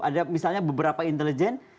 ada misalnya beberapa intelijen